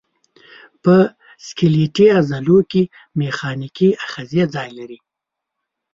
په سکلیټي عضلو کې میخانیکي آخذې ځای لري.